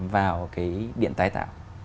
vào cái điện tái tạo